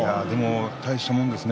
でも大したものですね。